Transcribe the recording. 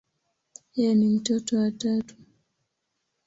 Yeye ni mtoto wa tatu.